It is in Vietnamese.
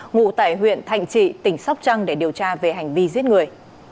ngụ tại huyện thành trị tỉnh sóc trăng để điều tra về hành vi giết người